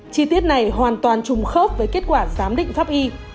chi tiết này hoàn toàn trùng khớp với kết quả giám định pháp y